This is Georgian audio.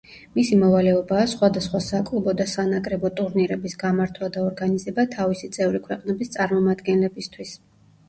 მისი მოვალეობაა სხვადასხვა საკლუბო და სანაკრებო ტურნირების გამართვა და ორგანიზება თავისი წევრი ქვეყნების წარმომადგენლებისთვის.